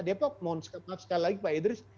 depok mohon maaf sekali lagi pak idris